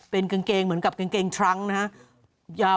เป็นกางเกงเหมือนกับกางเกงทรั้งนะครับ